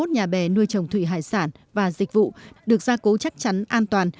năm trăm ba mươi một nhà bè nuôi trồng thủy hải sản và dịch vụ được gia cố chắc chắn an toàn